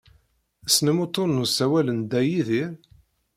Tessnem uḍḍun n usawal n Dda Yidir?